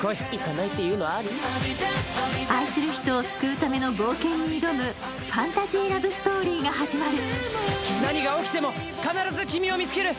愛する人を救うための冒険に挑むファンタジー・ラブストーリーが始まる。